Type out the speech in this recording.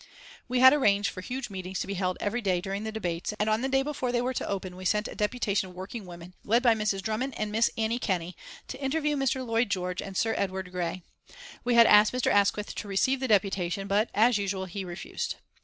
We had arranged for huge meetings to be held every day during the debates, and on the day before they were to open we sent a deputation of working women, led by Mrs. Drummond and Miss Annie Kenney, to interview Mr. Lloyd George and Sir Edward Grey. We had asked Mr. Asquith to receive the deputation, but, as usual, he refused.